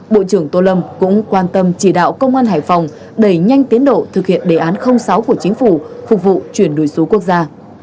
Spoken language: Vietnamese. bộ trưởng tô lâm cũng quan tâm chỉ đạo công an hải phòng đẩy nhanh tiến độ thực hiện đề án sáu của chính phủ phục vụ chuyển đổi số quốc gia